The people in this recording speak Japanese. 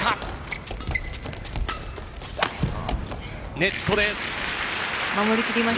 ネットです。